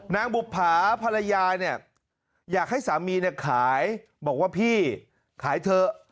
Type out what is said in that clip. บุภาพรยาเนี่ยอยากให้สามีเนี่ยขายบอกว่าพี่ขายเถอะ